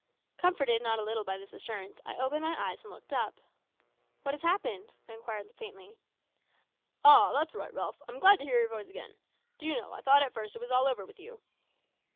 Comforted not a little by this assurance, I opened my eyes and looked up. "What has happened?" I inquired faintly. "Ah! that's right, Ralph. I'm glad to hear your voice again. D'you know, I thought at first it was all over with you?"